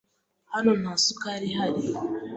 Hano nta sukari ihari.